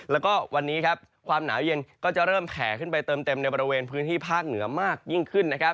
แล้วก็วันนี้ครับความหนาวเย็นก็จะเริ่มแผ่ขึ้นไปเติมเต็มในบริเวณพื้นที่ภาคเหนือมากยิ่งขึ้นนะครับ